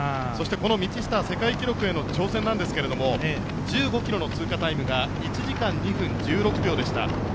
そして、道下世界記録への挑戦ですが１５ｋｍの通過タイムが１時間２分１６秒でした。